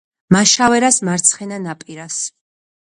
მაშავერას მარცხენა ნაპირას.